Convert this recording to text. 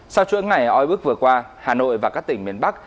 sau chuỗi ngày oi bức vừa qua hà nội và các tỉnh miền bắc